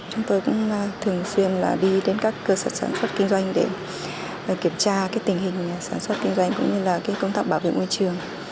chúng tôi cũng thường xuyên đi đến các cơ sở sản xuất kinh doanh để kiểm tra tình hình sản xuất kinh doanh cũng như là công tác bảo vệ môi trường